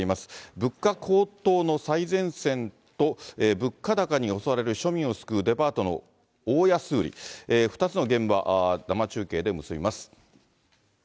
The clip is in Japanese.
物価高騰の最前線と、物価高に襲われる庶民を救うデパートの大安売り、２つの現場、生中継で結びます。